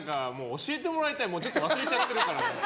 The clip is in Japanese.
教えてもらいたいちょっと忘れちゃってるから。